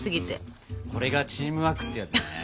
これがチームワークってやつだね。